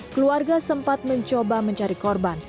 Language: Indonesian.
keluarga sempat mencoba mencari korban